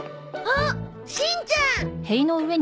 あっしんちゃん！